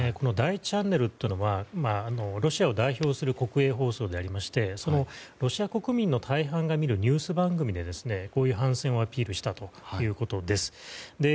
第１チャンネルというのはロシアを代表する国営チャンネルでしてそのロシア国民の大半が見るニュース番組で反戦をアピールしたということです。